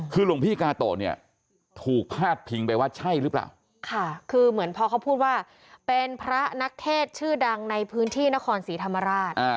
คือหลวงพี่กาโตะเนี่ยถูกพาดพิงไปว่าใช่หรือเปล่าค่ะคือเหมือนพอเขาพูดว่าเป็นพระนักเทศชื่อดังในพื้นที่นครศรีธรรมราช